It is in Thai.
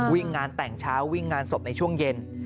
งานแต่งเช้าวิ่งงานศพในช่วงเย็น